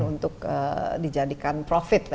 untuk dijadikan profit